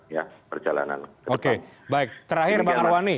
ya perjalanan ke depan